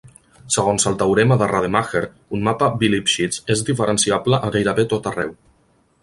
Segons el teorema de Rademacher, un mapa bilipschitz és diferenciable a gairebé tot arreu.